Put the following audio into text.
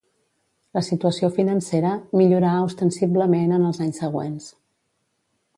La situació financera millorà ostensiblement en els anys següents.